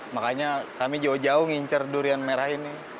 makanya kami jauh jauh ngincer durian merah ini